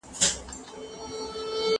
نې خپله خوري، نې بل ته ورکوي.